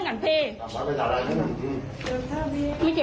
มางี้ค่ะ